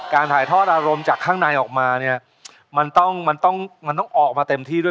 ถ่ายทอดอารมณ์จากข้างในออกมาเนี่ยมันต้องมันต้องมันต้องออกมาเต็มที่ด้วย